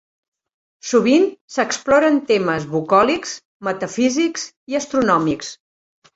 Sovint s'exploren temes bucòlics, metafísics i astronòmics.